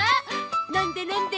なんでなんで？